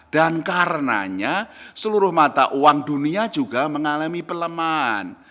dan karenanya seluruh mata uang dunia juga mengalami pelemahan